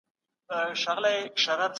دا نيوکي ډېرې پېچلې ښکاري.